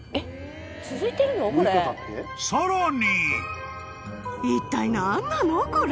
［さらに］